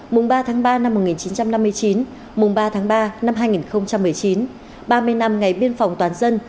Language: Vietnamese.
mùng ba tháng ba năm một nghìn chín trăm năm mươi chín mùng ba tháng ba năm hai nghìn một mươi chín ba mươi năm ngày biên phòng toàn dân